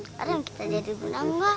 sekarang kita jadi berenang gak